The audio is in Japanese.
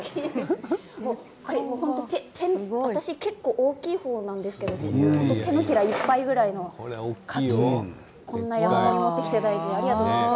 本当に私結構大きい方なんですけども手のひらいっぱいぐらいのかきをこんなにいっぱい持ってきていただいてありがとうございます。